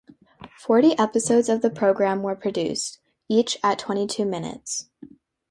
Forty episodes of the program were produced, each at twenty-two minutes.